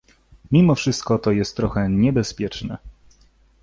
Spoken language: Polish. — Mimo wszystko to jest trochę niebezpieczne.